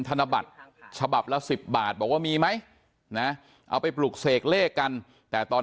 ธนบัตรฉบับละ๑๐บาทบอกว่ามีไหมนะเอาไปปลุกเสกเลขกันแต่ตอน